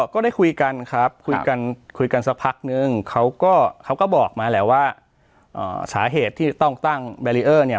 ก็ได้คุยกันครับคุยกันคุยกันสักพักนึงเขาก็เขาก็บอกมาแหละว่าสาเหตุที่ต้องตั้งแบรีเออร์เนี่ย